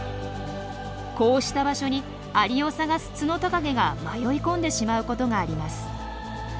こうした場所にアリを探すツノトカゲが迷い込んでしまうことがあります。